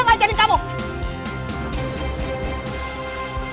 nah ini dia nih